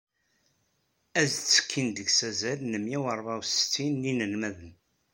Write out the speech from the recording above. Ad ttekkin deg-s wazal n mya u rebεa u settin n yinelmaden.